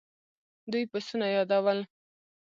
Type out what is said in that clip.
دوی پسونه يادول.